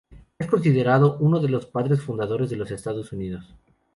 Es considerado uno de los Padres fundadores de los Estados Unidos.